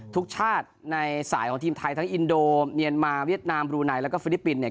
ทุกชาติในสายของทีมไทยทั้งอินโดเมียนมาเวียดนามบรูไนแล้วก็ฟิลิปปินส์เนี่ย